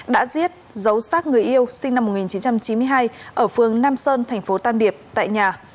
đã giết giấu xác người yêu sinh năm một nghìn chín trăm chín mươi hai ở phương nam sơn tp tam điệp tại nhà